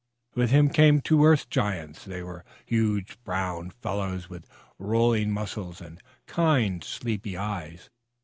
With him came two Earth Giants. They were huge brown fellows with rolling muscles and kind, sleepy eyes.